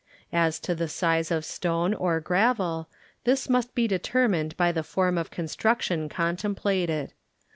As to the sirf of stone or gravel, this must be de termined by the form of construction contemplated.